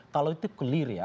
kalau itu clear ya